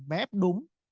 và ép đúng